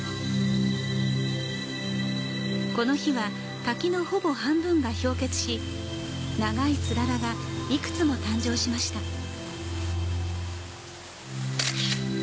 この日は滝のほぼ半分が氷結し、長い氷柱がいくつも誕生しました。